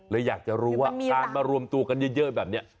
อยากจะรู้ว่าการมารวมตัวกันเยอะแบบนี้